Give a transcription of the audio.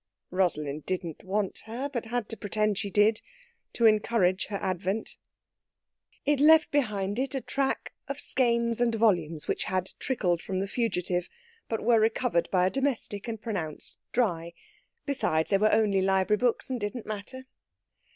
Rosalind didn't want her, but had to pretend she did, to encourage her advent. It left behind it a track of skeins and volumes, which had trickled from the fugitive, but were recovered by a domestic, and pronounced dry. Besides, they were only library books, and didn't matter.